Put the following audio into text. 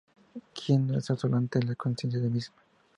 Quien no es absoluta es la conciencia misma.